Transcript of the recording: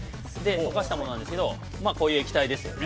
溶かしたものなんですけれどもこういう液体ですよね。